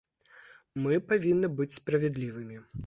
Мы павінны быць справядлівымі.